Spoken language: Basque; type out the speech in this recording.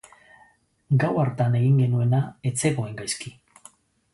Gau hartan egin genuena ez zegoen gaizki.